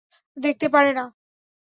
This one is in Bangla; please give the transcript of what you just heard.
দেখতে পারে না।